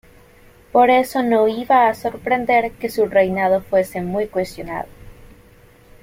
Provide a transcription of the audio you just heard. Por eso no iba a sorprender que su reinado fuese muy cuestionado.